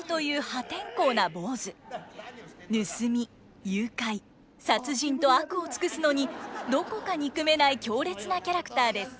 盗み誘拐殺人と悪を尽くすのにどこか憎めない強烈なキャラクターです。